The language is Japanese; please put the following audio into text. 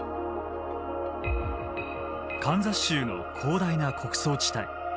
カンザス州の広大な穀倉地帯。